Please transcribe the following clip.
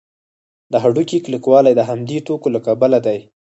د هډوکو کلکوالی د همدې توکو له کبله دی.